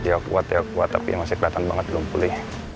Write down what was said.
dia kuat dia kuat tapi masih keliatan banget belum pulih